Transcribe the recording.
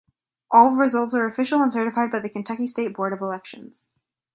All results are official and certified by the Kentucky State Board of Elections.